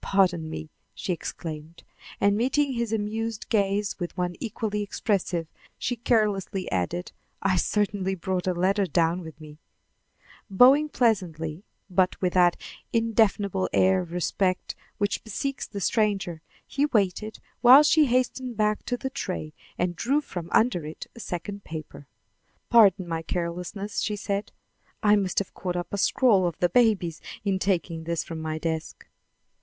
"Pardon me," she exclaimed; and, meeting his amused gaze with one equally expressive, she carelessly added: "I certainly brought a letter down with me." Bowing pleasantly, but with that indefinable air of respect which bespeaks the stranger, he waited while she hastened back to the tray and drew from under it a second paper. "Pardon my carelessness," she said. "I must have caught up a scrawl of the baby's in taking this from my desk."